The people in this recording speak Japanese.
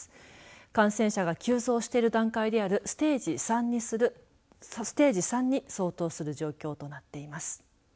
感染者が急増している段階であるステージ３に相当する状況となっています。